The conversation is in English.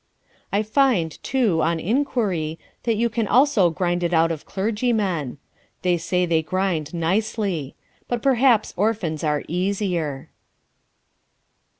I find, too, on inquiry, that you can also grind it out of clergymen. They say they grind nicely. But perhaps orphans are easier.